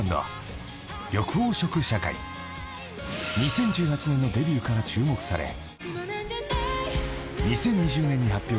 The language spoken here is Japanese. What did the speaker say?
［２０１８年のデビューから注目され２０２０年に発表した『Ｍｅｌａ！』は］